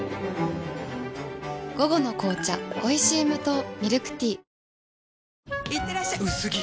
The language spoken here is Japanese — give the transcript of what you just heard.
午後の紅茶おいしい無糖ミルクティーいってらっしゃ薄着！